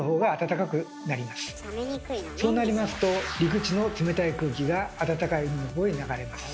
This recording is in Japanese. そうなりますと陸地の冷たい空気があたたかい海のほうへ流れます。